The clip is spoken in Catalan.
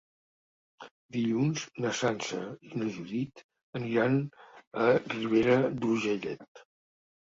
Dilluns na Sança i na Judit aniran a Ribera d'Urgellet.